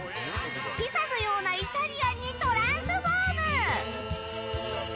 ピザのようなイタリアンにトランスフォーム！